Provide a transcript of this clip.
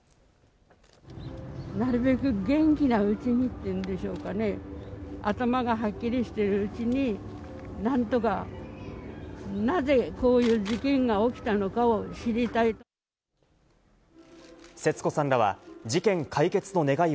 なるべく元気なうちにっていうんでしょうかね、頭がはっきりしているうちに、なんとか、なぜこういう事件が起きたのかを知りたい。